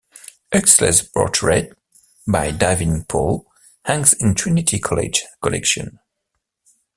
Huxley's portrait by David Poole hangs in Trinity College's collection.